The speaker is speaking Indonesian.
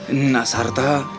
ehm nak sarta